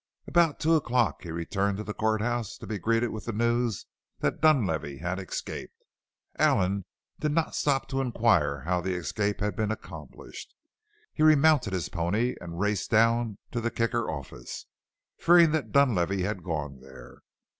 At two o'clock he returned to the court house to be greeted with the news that Dunlavey had escaped. Allen did not stop to inquire how the escape had been accomplished. He remounted his pony and raced down to the Kicker office, fearing that Dunlavey had gone there.